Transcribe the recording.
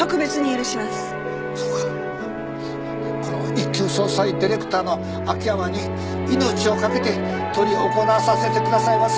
この一級葬祭ディレクターの秋山に命を懸けて執り行わさせてくださいませ。